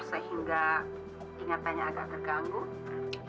sehingga ingatannya agak terganggu